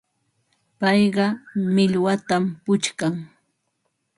Payqa millwatam puchkan.